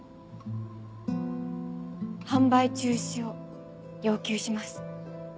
販売中止を要求します。